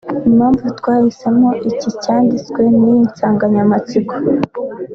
Impamvu twahisemo iki cyanditwe n’iyi nsanganyamatsiko